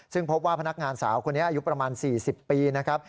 ซึ่งพบว่าพนักงานสาวคนนี้อายุประมาณ๔๐ปีนะครับ